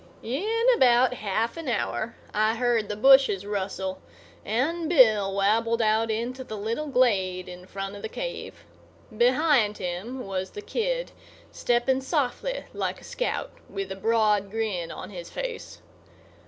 In about half an hour I heard the bushes rustle, and Bill wabbled out into the little glade in front of the cave. Behind him was the kid, stepping softly like a scout, with a broad grin on his face.